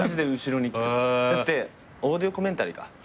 だってオーディオコメンタリーか。